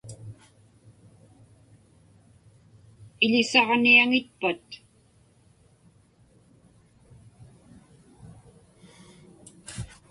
Iḷisaġniaŋitpat?